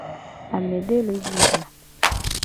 Amede le ji ha.